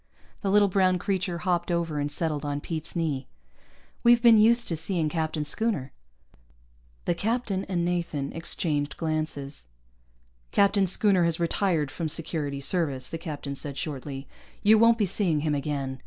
The little brown creature hopped over and settled on Pete's knee. "We've been used to seeing Captain Schooner." The captain and Nathan exchanged glances. "Captain Schooner has retired from Security Service," the captain said shortly. "You won't be seeing him again.